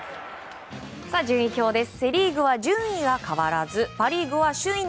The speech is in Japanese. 順位表です。